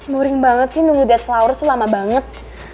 muring banget sih nunggu that flowers tuh lama banget